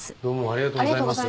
ありがとうございます。